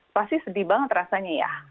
pasti sedih banget rasanya ya